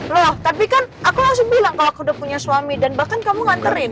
loh tapi kan aku langsung bilang kalau aku udah punya suami dan bahkan kamu nganterin